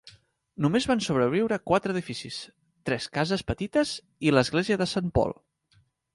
Només van sobreviure quatre edificis: tres cases petites i l'església de Saint Paul.